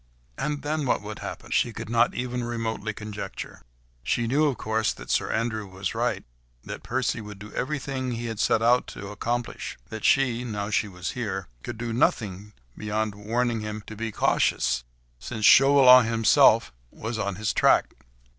And then what would happen? She could not even remotely conjecture. She knew, of course, that Sir Andrew was right, that Percy would do everything he had set out to accomplish; that she—now she was here—could do nothing, beyond warning him to be cautious, since Chauvelin himself was on his track.